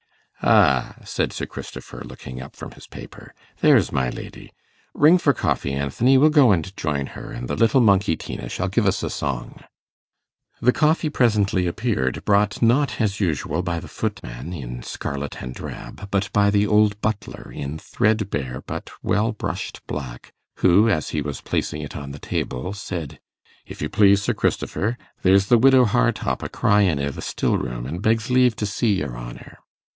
'Ah,' said Sir Christopher, looking up from his paper, 'there's my lady. Ring for coffee, Anthony; we'll go and join her, and the little monkey Tina shall give us a song.' The coffee presently appeared, brought not as usual by the footman, in scarlet and drab, but by the old butler, in threadbare but well brushed black, who, as he was placing it on the table, said 'If you please, Sir Christopher, there's the widow Hartopp a crying i' the still room, and begs leave to see your honour.